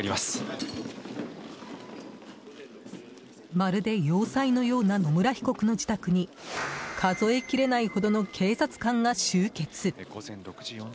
まるで要塞のような野村被告の自宅に数えきれないほどの警察官が集結。